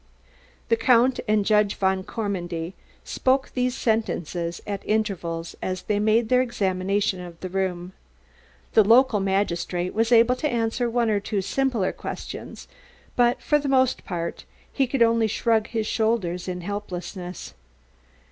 The Count and Judge von Kormendy spoke these sentences at intervals as they made their examination of the room. The local magistrate was able to answer one or two simpler questions, but for the most part he could only shrug his shoulders in helplessness.